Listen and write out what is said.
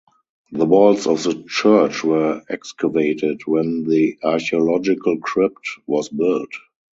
The walls of the church were excavated when the archaeological crypt was built.